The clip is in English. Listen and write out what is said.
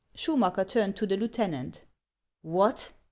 Schuinacker turned to the lieutenant. " What